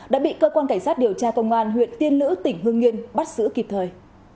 đã bị cơ quan cảnh sát điều tra công an huyện tiên lữ tỉnh hương yên bắt giữ kịp thời